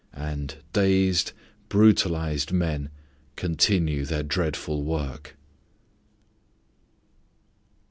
And dazed, brutalized men continue their dreadful work.